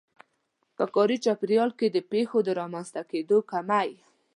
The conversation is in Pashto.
په کاري چاپېريال کې د پېښو د رامنځته کېدو کمی.